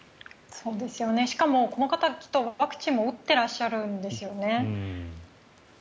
しかもこの方きっとワクチンも打っていらっしゃるんですよね。